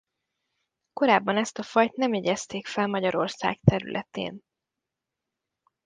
Korábban ezt a fajt nem jegyezték fel Magyarország területén.